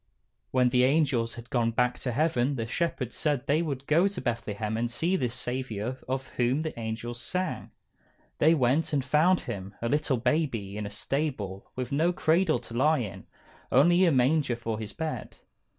_" When the angels had gone back to heaven the shepherds said they would go to Bethlehem and see this Saviour of whom the angels sang. They went, and found Him, a little baby, in a stable, with no cradle to lie in; only a manger for His bed.